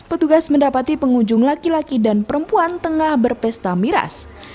petugas mendapati pengunjung laki laki dan perempuan tengah berpesta miras